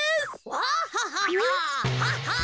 ワッハッハッハ。